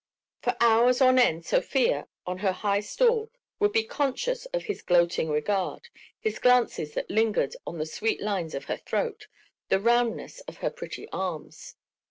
For hours on end Sofia, on her high stool, would be conscious of his gloating regard, his glances that lingered on the sweet lines of her throat, the roundness of her pretty arms.